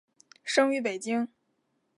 生于北京。